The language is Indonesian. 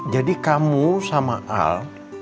jadi kamu sama al